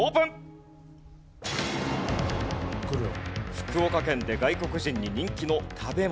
福岡県で外国人に人気の食べ物。